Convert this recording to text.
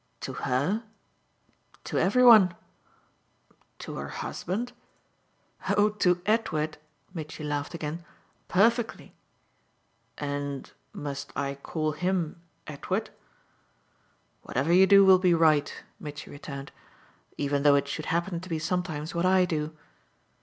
"To HER?" "To every one." "To her husband?" "Oh to Edward," Mitchy laughed again, "perfectly!" "And must I call him 'Edward'?" "Whatever you do will be right," Mitchy returned "even though it should happen to be sometimes what I do."